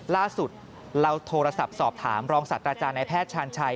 ล่าสุดเราโทรศัพท์สอบถามรองศาสตราจารย์ในแพทย์ชาญชัย